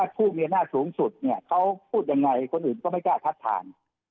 ผู้มีอำนาจสูงสุดเนี่ยเขาพูดยังไงคนอื่นก็ไม่กล้าทัดทาน